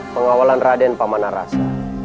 pengawalan raden pamanarasa